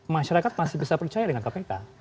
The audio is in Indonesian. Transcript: masyarakat masih bisa percaya dengan kpk